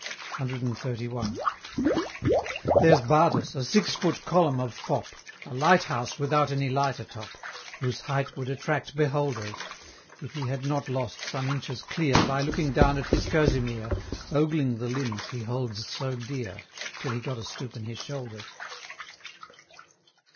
CXXXI. There's Bardus, a six foot column of fop, A lighthouse without any light atop, Whose height would attract beholders, If he had not lost some inches clear By looking down at his kerseymere, Ogling the limbs he holds so dear, Till he got a stoop in his shoulders.